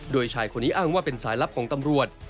โดยชายคนนี้อ้างว่าเป็นสายลับของตำรวจ